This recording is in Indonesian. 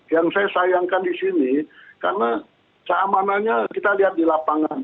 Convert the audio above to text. yang saya sayangkan di sini karena keamanannya kita lihat di lapangan